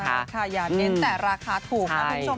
ท่านเฉมอย่าเง้นแต่ราคาถูกนะคุณทรง